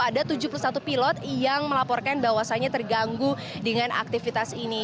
ada tujuh puluh satu pilot yang melaporkan bahwasannya terganggu dengan aktivitas ini